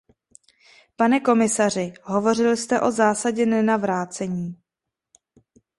Pane komisaři, hovořil jste o zásadě nenavracení.